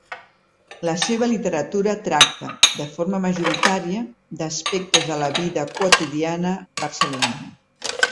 La seva literatura tracta, de forma majoritària, d'aspectes de la vida quotidiana barcelonina.